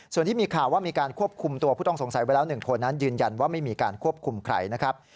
ส่วนที่มีข่าวว่ามีการควบคุมตัวผู้ต้องสงสัยไว้แล้ว๑คนนั้นยืนยันว่าไม่มีการควบคุมใครนะครับ